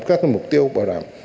các mục tiêu bảo đảm